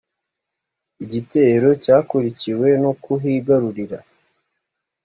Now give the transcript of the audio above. igitero cyakurikiwe nokuhigarurira.